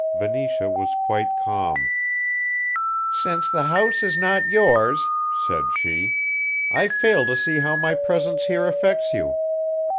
Venetia was quite calm. "Since the house is not yours," said she, "I fail to see how my presence here affects you.